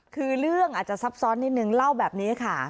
คือเรื่องอาจจะซับซ้อนนิดนึงเล่าแบบนี้ค่ะ